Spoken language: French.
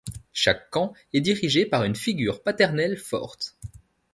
Chaque camp est dirigé par une figure paternelle forte.